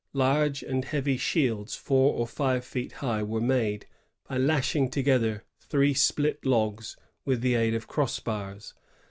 Large and heavy shields four or five feet high were made by lashing together three split logs with the aid of cross bars.